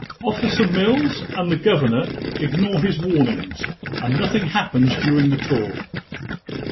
Officer Mills and the governor ignore his warnings, and nothing happens during the tour.